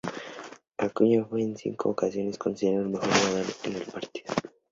Acuña fue en cinco ocasiones considerado el mejor jugador del partido.